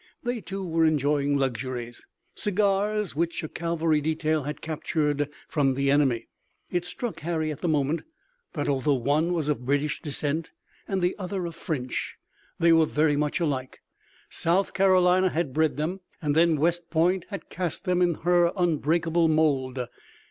They, too, were enjoying luxuries, cigars which a cavalry detail had captured from the enemy. It struck Harry at the moment that although one was of British descent and the other of French they were very much alike. South Carolina had bred them and then West Point had cast them in her unbreakable mold.